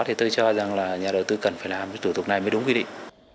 thì tôi cho rằng là nhà đầu tư cần phải làm cái thủ tục này mới đúng quy định